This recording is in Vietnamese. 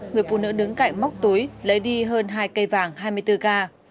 người phụ nữ đứng cạnh móc túi lấy đi hơn hai cây vàng hai mươi bốn k